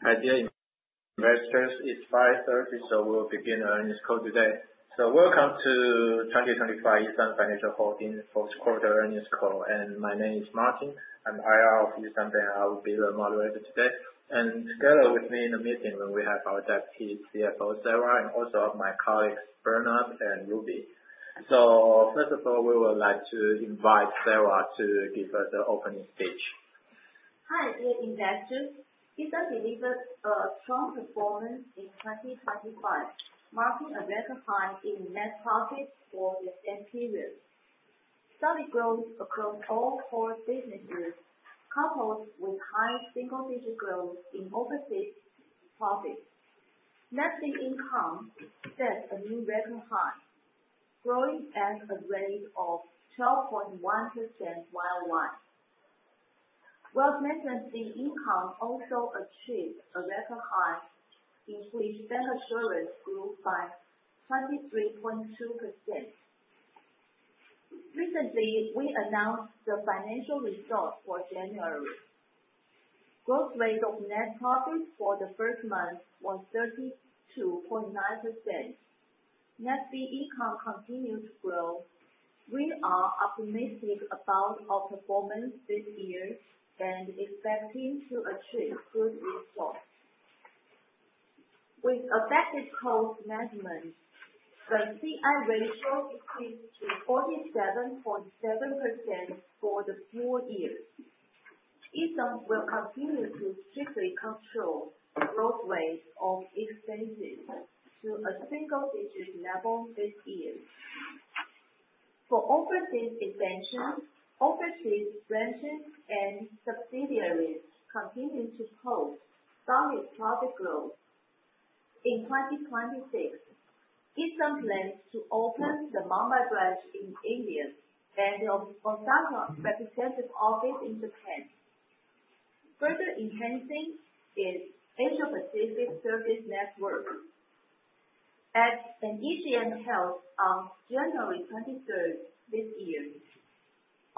Hi there, investors. It's 5:30. We'll begin the earnings call today. Welcome to 2025 E.SUN Financial Holding fourth quarter earnings call. My name is Martin. I'm IR of E.SUN Bank. I will be the moderator today. Together with me in the meeting room, we have our Deputy CFO, Sarah, and also my colleagues, Bernard and Ruby. First of all, we would like to invite Sarah to give us the opening speech. Hi, dear investors. E.SUN delivered a strong performance in 2025, marking a record high in net profit for the same period. Solid growth across all core businesses, coupled with high single-digit growth in overseas profit. Net income set a new record high, growing at a rate of 12.1% Y-O-Y. Wealth management net income also achieved a record high, in which bancassurance grew by 23.2%. Recently, we announced the financial results for January. Growth rate of net profit for the first month was 32.9%. Net fee income continued to grow. We are optimistic about our performance this year and expecting to achieve good results. With effective cost management, the CI ratio decreased to 47.7% for the full year. E.SUN will continue to strictly control growth rates of expenses to a single-digit level this year. For overseas expansion, overseas branches and subsidiaries continuing to post solid profit growth. In 2026, E.SUN plans to open the Mumbai branch in India and the Osaka representative office in Japan, further enhancing its Asia Pacific service network. At the AGM held on January 23rd this year,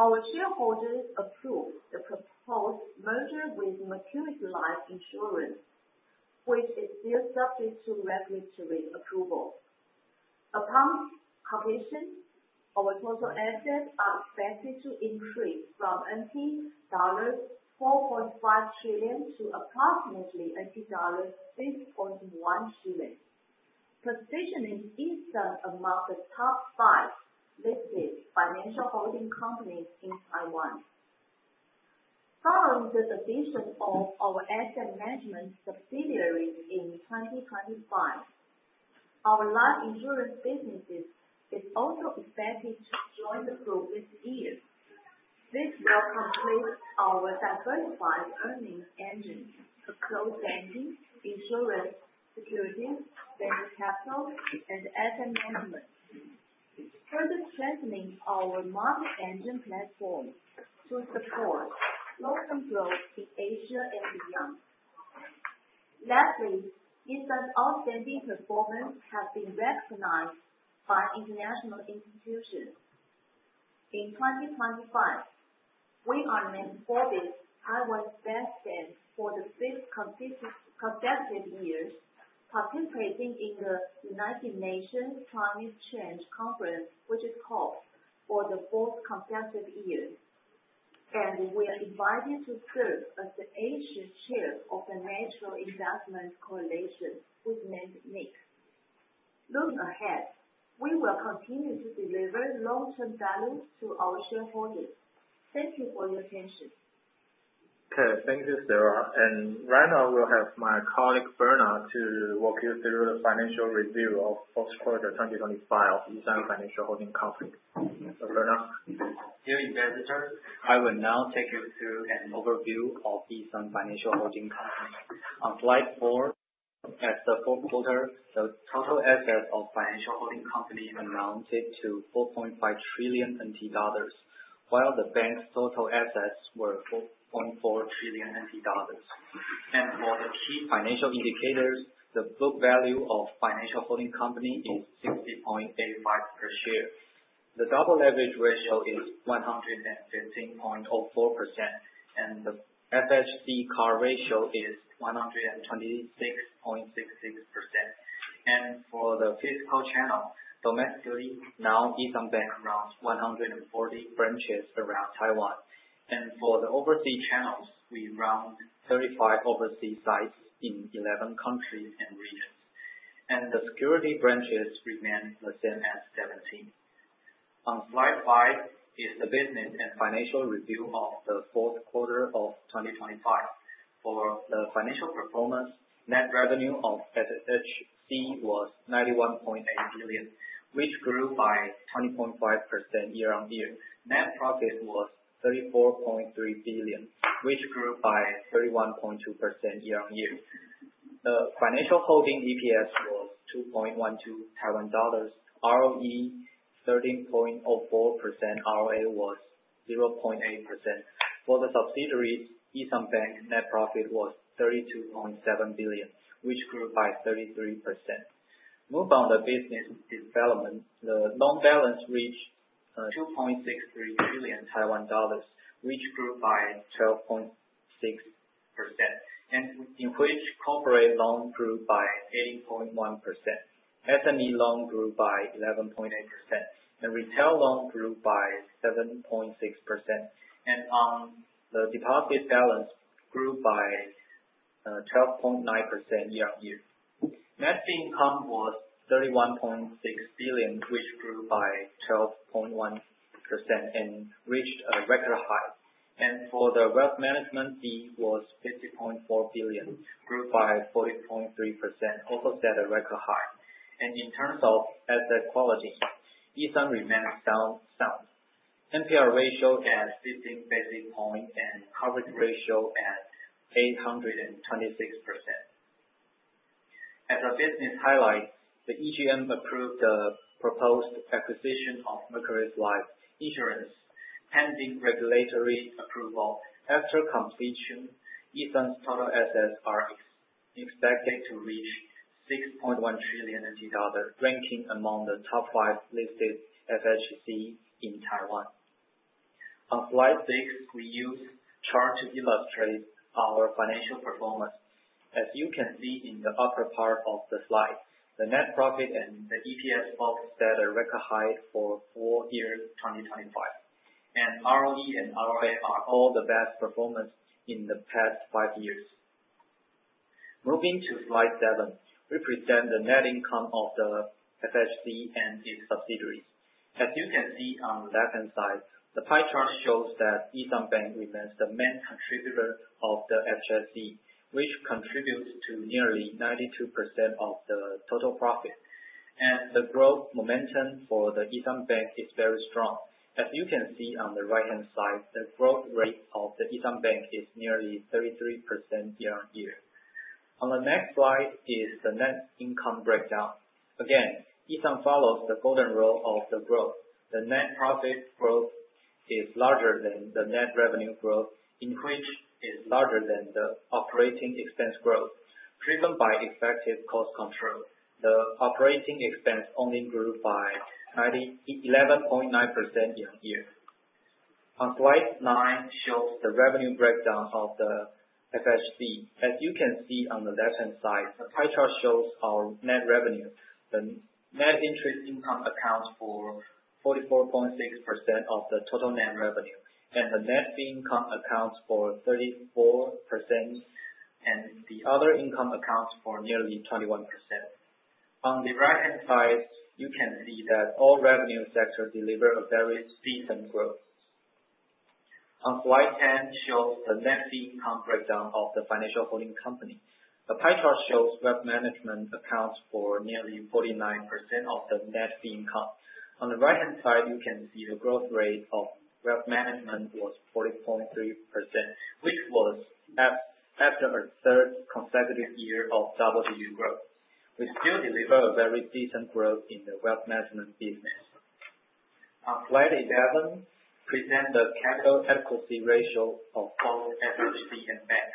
our shareholders approved the proposed merger with Mercuries Life Insurance, which is still subject to regulatory approval. Upon completion, our total assets are expected to increase from TWD 4.5 trillion to approximately TWD 6.1 trillion, positioning E.SUN among the top five listed financial holding companies in Taiwan. Following the division of our asset management subsidiaries in 2025, our life insurance business is also expected to join the group this year. This will complete our diversified earnings engine of core banking, insurance, securities, venture capital, and asset management, further strengthening our market engine platform to support long-term growth in Asia and beyond. Lastly, E.SUN's outstanding performance has been recognized by international institutions. In 2025, we are named Forbes Taiwan Best Bank for the fifth consecutive years, participating in the United Nations Climate Change Conference, which is called for the fourth consecutive year. We are invited to serve as the Asia Chair of the Natural Investment Coalition, which meant NZICI. Looking ahead, we will continue to deliver long-term value to our shareholders. Thank you for your attention. Okay. Thank you, Sarah. Right now I will have my colleague Bernard to walk you through the financial review of fourth quarter 2025 of E.SUN Financial Holding Company. Bernard. Dear investors, I will now take you through an overview of E.SUN Financial Holding Company. On slide four, at the fourth quarter, the total assets of Financial Holding Company amounted to 4.5 trillion NT dollars, while E.SUN Bank's total assets were 4.4 trillion NT dollars. For the key financial indicators, the book value of Financial Holding Company is 60.85 per share. The double leverage ratio is 115.04%, and the FHC CAR ratio is 126.66%. For the physical channel, domestically, E.SUN Bank runs 140 branches around Taiwan. For the overseas channels, we run 35 overseas sites in 11 countries and regions. The security branches remain the same as 17. On slide five is the business and financial review of the fourth quarter of 2025. For the financial performance, net revenue of FHC was 91.8 billion, which grew by 20.5% year-on-year. Net profit was 34.3 billion, which grew by 31.2% year-on-year. The financial holding EPS was TWD 2.12, ROE 13.04%, ROA was 0.8%. For the subsidiaries, E.SUN Bank net profit was 32.7 billion, which grew by 33%. Move on the business development. The loan balance reached 2.63 billion Taiwan dollars, which grew by 12.6%, in which corporate loans grew by 18.1%. SME loans grew by 11.8%, Retail loans grew by 7.6%. The deposit balance grew by 12.9% year-on-year. Net income was 31.6 billion, which grew by 12.1% and reached a record high. For the wealth management fee was 50.4 billion, grew by 40.3%, also set a record high. In terms of asset quality, E.SUN remains sound. NPL ratio at 15 basis points and coverage ratio at 826%. As a business highlight, the EGM approved the proposed acquisition of Mercuries Life Insurance, pending regulatory approval. After completion, E.SUN's total assets are expected to reach TWD 6.1 trillion, ranking among the top five listed FHC in Taiwan. On slide six, we use chart to illustrate our financial performance. As you can see in the upper part of the slide, the net profit and the EPS both set a record high for four years 2025, ROE and ROA are all the best performance in the past five years. Moving to slide seven, we present the net income of the FHC and its subsidiaries. As you can see on the left-hand side, the pie chart shows that E.SUN Bank remains the main contributor of the FHC, which contributes to nearly 92% of the total profit, the growth momentum for the E.SUN Bank is very strong. As you can see on the right-hand side, the growth rate of the E.SUN Bank is nearly 33% year-on-year. On the next slide is the net income breakdown. Again, E.SUN follows the golden rule of the growth. The net profit growth is larger than the net revenue growth, increase is larger than the operating expense growth, driven by effective cost control. The operating expense only grew by 11.9% year-on-year. On slide nine shows the revenue breakdown of the FHC. As you can see on the left-hand side, the pie chart shows our net revenue. The net interest income accounts for 44.6% of the total net revenue, the net fee income accounts for 34%, and the other income accounts for nearly 21%. On the right-hand side, you can see that all revenue sectors deliver a very decent growth. On slide 10 shows the net fee income breakdown of the financial holding company. The pie chart shows wealth management accounts for nearly 49% of the net fee income. On the right-hand side, you can see the growth rate of wealth management was 40.3%, which was after a third consecutive year of W2 growth. We still deliver a very decent growth in the wealth management business. On slide 11, present the capital adequacy ratio of all FHC and bank.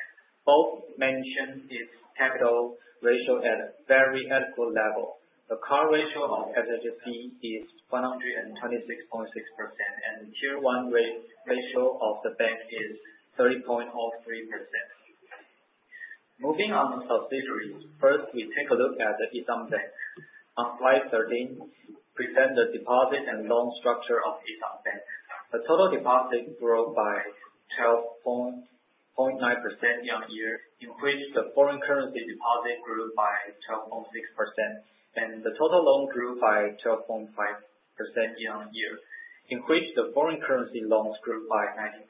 Both maintain its capital ratio at a very adequate level. The CAR ratio of FHC is 126.6%, and Tier 1 ratio of the bank is 30.03%. Moving on to subsidiaries, first, we take a look at the E.SUN Bank. On slide 13, present the deposit and loan structure of E.SUN Bank. The total deposit grew by 12.9% year-on-year, in which the foreign currency deposit grew by 12.6%, the total loan grew by 12.5% year-on-year, in which the foreign currency loans grew by 19%.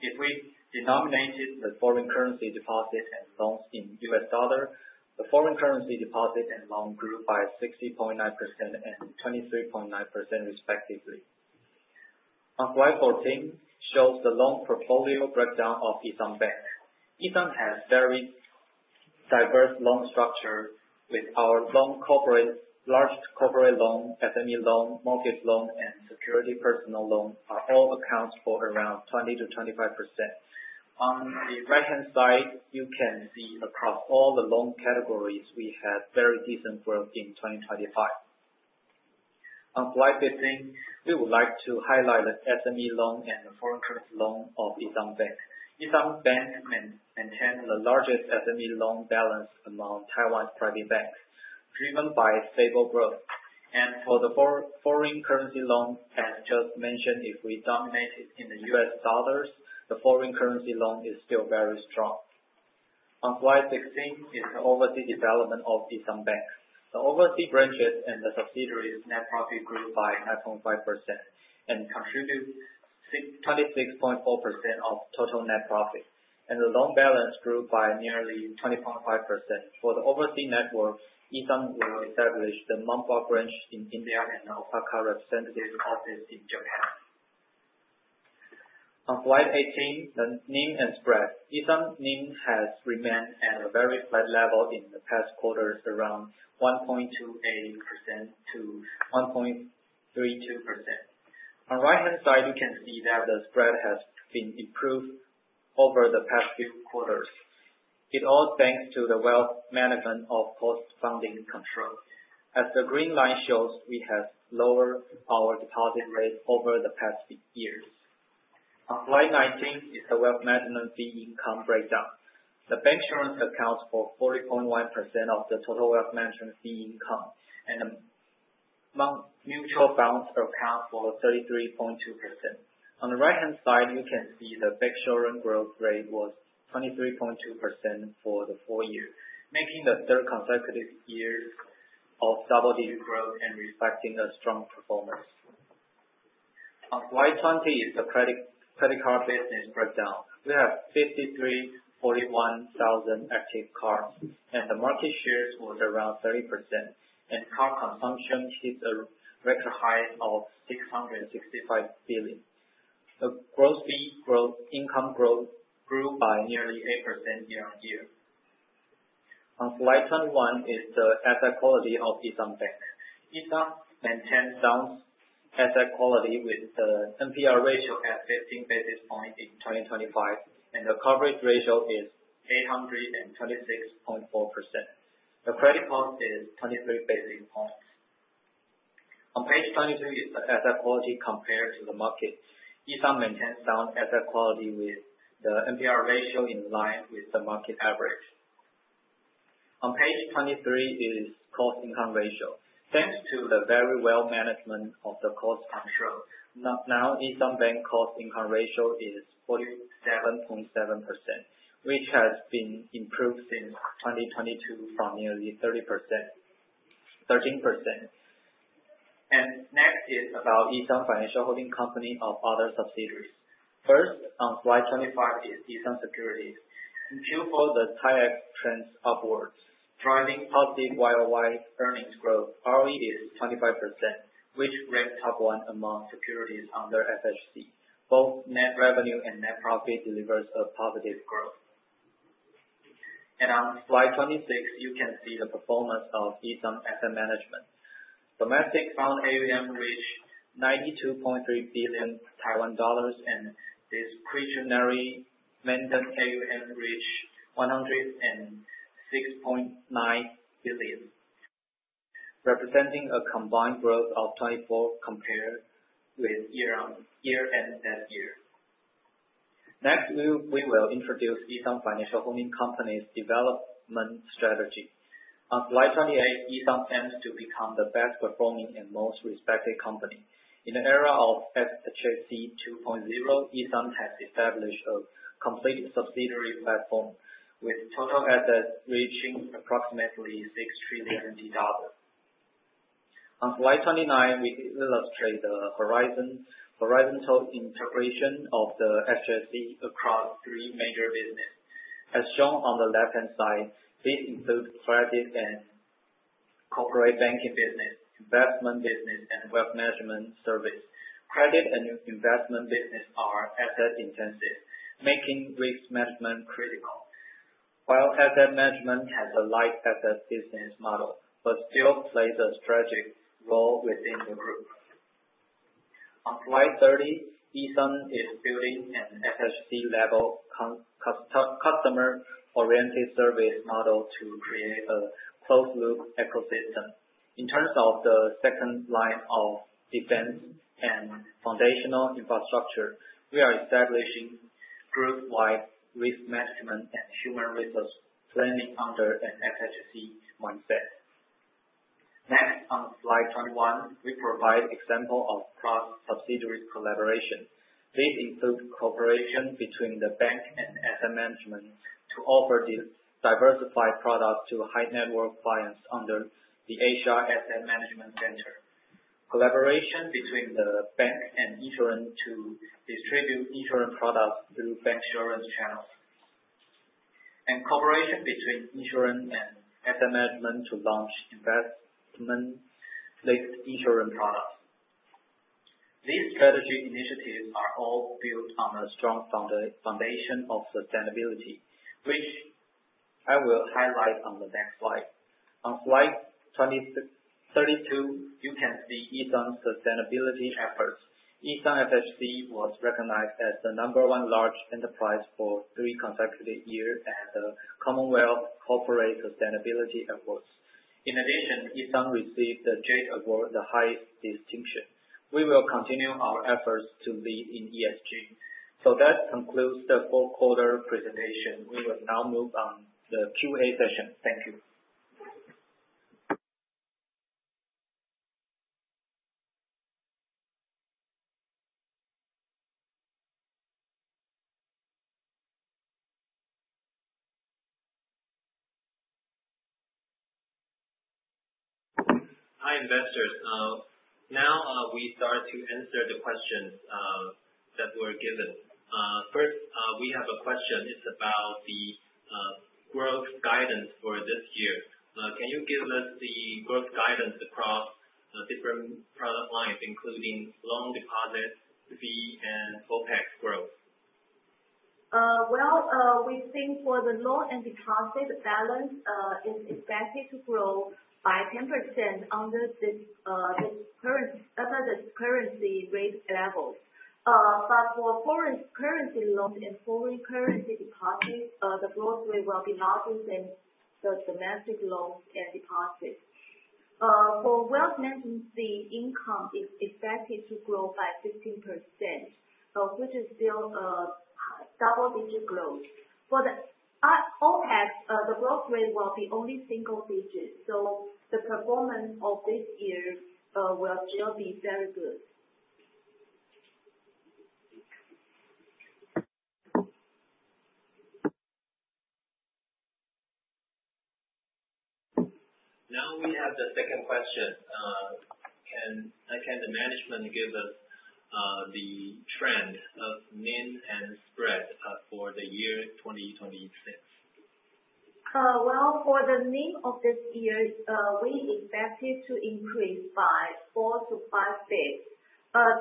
If we denominated the foreign currency deposit and loans in US dollar, the foreign currency deposit and loan grew by 60.9% and 23.9% respectively. On slide 14 shows the loan portfolio breakdown of E.SUN Bank. E.SUN has very diverse loan structure with our largest corporate loan, SME loan, mortgage loan, and security personal loan are all accounts for around 20%-25%. On the right-hand side, you can see across all the loan categories, we had very decent growth in 2025. On slide 15, we would like to highlight the SME loan and the foreign currency loan of E.SUN Bank. E.SUN Bank maintain the largest SME loan balance among Taiwan's private banks, driven by stable growth. For the foreign currency loan, as just mentioned, if we denominated in the US dollars, the foreign currency loan is still very strong. On slide 16 is the overseas development of E.SUN Bank. The overseas branches and the subsidiaries net profit grew by 9.5% and contribute 26.4% of total net profit, the loan balance grew by nearly 20.5%. For the overseas network, E.SUN will establish the Mumbai branch in India and Osaka representative office in Japan. On slide 18, the NIM and spread. E.SUN NIM has remained at a very flat level in the past quarters, around 1.28%-1.32%. On right-hand side, you can see that the spread has been improved over the past few quarters. It's all thanks to the wealth management of cost funding control. As the green line shows, we have lowered our deposit rate over the past years. On slide 19 is the wealth management fee income breakdown. The bancassurance accounts for 40.1% of the total wealth management fee income, and mutual funds account for 33.2%. On the right-hand side, you can see the bancassurance growth rate was 23.2% for the full year, making the third consecutive years of double-digit growth and reflecting a strong performance. On slide 20 is the credit card business breakdown. We have 53, 41,000 active cards, and the market shares was around 30%, and card consumption hit a record high of 665 billion. The gross fee growth, income growth grew by nearly 8% Y-O-Y. On slide 21 is the asset quality of E.SUN Bank. E.SUN maintains sound asset quality with the NPL ratio at 15 basis points in 2025, and the coverage ratio is 826.4%. The credit cost is 23 basis points. On page 22 is the asset quality compared to the market. E.SUN maintains sound asset quality with the NPL ratio in line with the market average. On page 23 is Cost-to-Income ratio. Thanks to the very well management of the cost control, now E.SUN Bank Cost-to-Income ratio is 47.7%, which has been improved since 2022 from nearly 13%. Next is about E.SUN Financial Holding Company of other subsidiaries. First, on slide 25 is E.SUN Securities. In Q4, the stock trends upwards, driving positive Y-O-Y earnings growth. ROE is 25%, which ranks top 1 among securities under FHC. Both net revenue and net profit delivers a positive growth. On slide 26, you can see the performance of E.SUN Asset Management. Domestic fund AUM reached 92.3 billion Taiwan dollars, and discretionary managed AUM reached 106.9 billion, representing a combined growth of 24% compared with year and that year. Next, we will introduce E.SUN Financial Holding Company's development strategy. On slide 28, E.SUN aims to become the best performing and most respected company. In an era of FHC 2.0, E.SUN has established a complete subsidiary platform with total assets reaching approximately 6 trillion dollars. On slide 29, we illustrate the horizontal integration of the FHC across 3 major business. As shown on the left-hand side, this includes credit and corporate banking business, investment business, and wealth management service. Credit and investment business are asset intensive, making risk management critical. While asset management has a light asset business model, but still plays a strategic role within the group. On slide 30, E.SUN is building an FHC-level customer-oriented service model to create a closed-loop ecosystem. In terms of the second line of defense and foundational infrastructure, we are establishing group-wide risk management and human resource planning under an FHC mindset. Next, on slide 21, we provide example of cross-subsidiary collaboration. These include cooperation between E.SUN Bank and E.SUN Asset Management to offer these diversified products to high net worth clients under the Asia Asset Management Center. Collaboration between E.SUN Bank and insurance to distribute insurance products through bancassurance channels. Cooperation between insurance and E.SUN Asset Management to launch investment-linked insurance products. These strategic initiatives are all built on a strong foundation of sustainability, which I will highlight on the next slide. On slide 32, you can see E.SUN sustainability efforts. E.SUN FHC was recognized as the number 1 large enterprise for 3 consecutive years at the CommonWealth Magazine Excellence in Corporate Social Responsibility Award. In addition, E.SUN received the Jade Award, the highest distinction. We will continue our efforts to lead in ESG. That concludes the fourth quarter presentation. We will now move on the Q&A session. Thank you. Hi, investors. We start to answer the questions that were given. First, we have a question, it's about the growth guidance for this year. Can you give us the growth guidance across the different product lines, including loan deposits, fee, and OPEX growth? Well, we think for the loan and deposit balance, it's expected to grow by 10% under this currency rate level. But for foreign currency loans and foreign currency deposits, the growth rate will be higher than the domestic loans and deposits. For wealth management income, it's expected to grow by 15%, which is still a double-digit growth. For the OPEX, the growth rate will be only single digits. The performance of this year will still be very good. We have the second question. Can the management give us the trend of NIM and spread for the year 2026? Well, for the NIM of this year, we expect it to increase by 4-5 bps.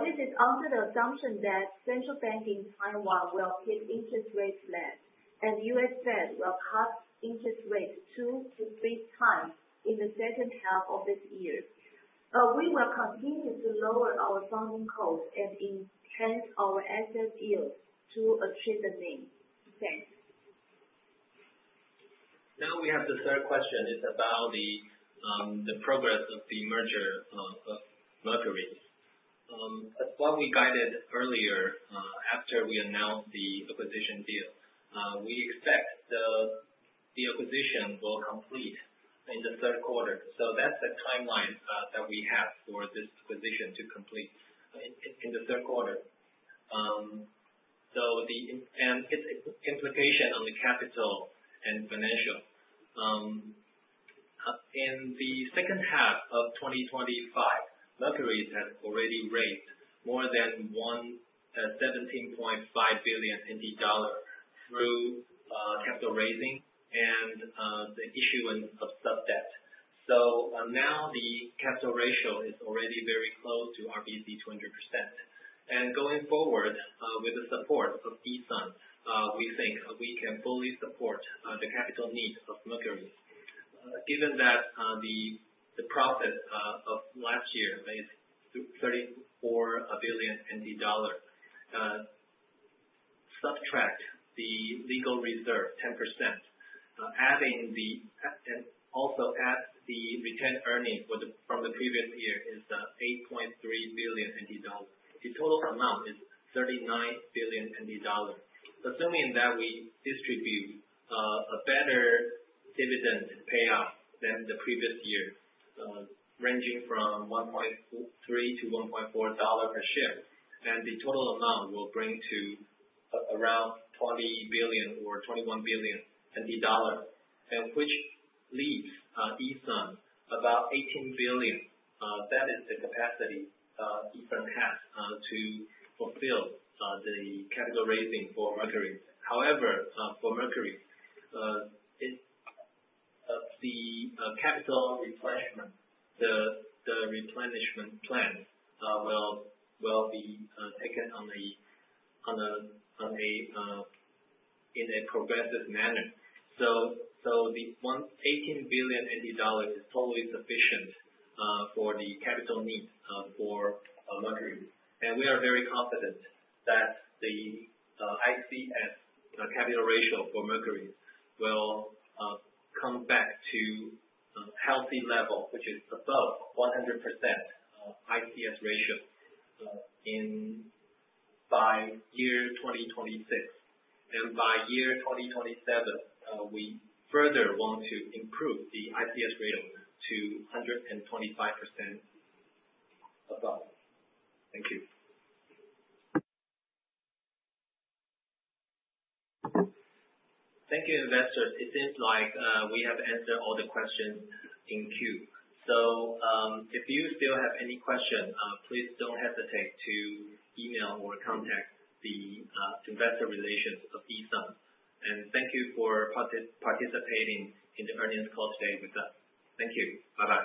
This is under the assumption that Central Bank in Taiwan will keep interest rates flat and U.S. Fed will cut interest rates two to three times in the second half of this year. We will continue to lower our funding costs and enhance our asset yields to achieve the NIM. Thanks. Now we have the third question. It is about the progress of the merger of Mercury. As what we guided earlier, after we announced the acquisition deal, we expect the acquisition will complete in the third quarter. That is the timeline that we have for this acquisition to complete in the third quarter. Its implication on the capital and financial. In the second half of 2025, Mercury has already raised more than $17.5 billion in the dollar through capital raising and the issuance of sub-debt. Now the capital ratio is already very close to RBC 200%. Going forward, with the support of E.SUN, we think we can fully support the capital needs of Mercury. Given that the profit of last year is 34 billion NT dollars. Subtract the legal reserve 10%, and also add the retained earnings from the previous year is 8.3 billion NT dollars. The total amount is 39 billion NT dollars. Assuming that we distribute a better dividend payout than the previous year, ranging from 1.3 to 1.4 dollar a share, the total amount will bring to around 20 billion or 21 billion, which leaves E.SUN about 18 billion. That is the capacity E.SUN has to fulfill the capital raising for Mercury. However, for Mercury, the capital replenishment plan will be taken in a progressive manner. The 18 billion dollars is totally sufficient for the capital needs for Mercury. We are very confident that the ICS capital ratio for Mercury will come back to a healthy level, which is above 100% ICS ratio by year 2026. By year 2027, we further want to improve the ICS ratio to 125% above. Thank you. Thank you, investors. It seems like we have answered all the questions in queue. If you still have any questions, please don't hesitate to email or contact the investor relations of E.SUN. Thank you for participating in the earnings call today with us. Thank you. Bye-bye.